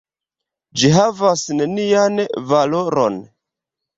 Ĝi havas nenian valoron.